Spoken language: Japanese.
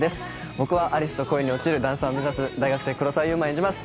僕は有栖と恋に落ちるダンサーを目指す大学生黒澤祐馬を演じます